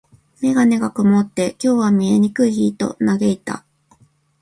メガネが曇って、「今日は見えにくい日」と嘆いた。